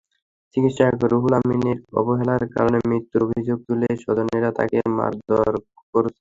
চিকিৎসক রুহুল আমিনের অবহেলার কারণে মৃত্যুর অভিযোগ তুলে স্বজনেরা তাঁকে মারধর করেন।